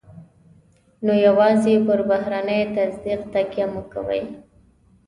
نو يوازې پر بهرني تصديق تکیه مه کوئ.